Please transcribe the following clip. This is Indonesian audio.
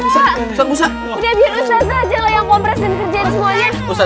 sekarang bagian kita